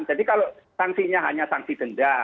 jadi kalau sanksinya hanya sanksi denda